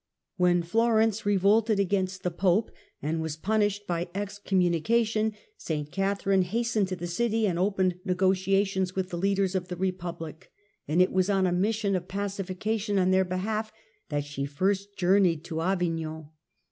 When Florence revolted against the Pope and was punished by excom munication, St. Catherine hastened to the city and opened negotiations with the leaders of the Republic, and it was on a mission of pacification on their behalf that she first journeyed to Avignon.